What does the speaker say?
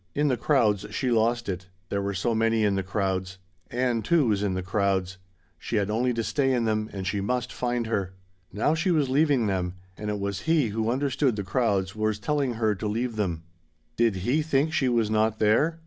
In the crowds she lost it. There were so many in the crowds. Ann, too, was in the crowds. She had only to stay in them and she must find her. Now she was leaving them; and it was he who understood the crowds was telling her to leave them. Did he think she was not there?